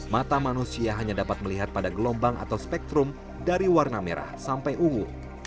mata manusia hanya dapat melihat pada gelombang atau spektrum dari warna merah sampai ungu